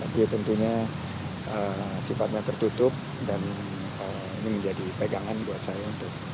dia tentunya sifatnya tertutup dan menjadi pegangan buat saya